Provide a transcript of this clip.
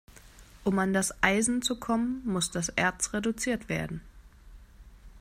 Um an das Eisen zu kommen, muss das Erz reduziert werden.